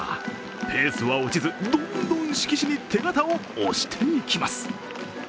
ペースは落ちず、どんどん色紙に手形を押していきます。